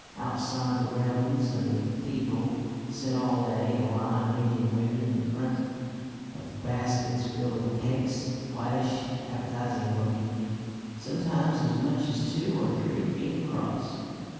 Outside the railings of the cathedral sit all day a line of Indian women in front of baskets filled with cakes, flattish, appetising looking, sometimes as much as two or three feet across.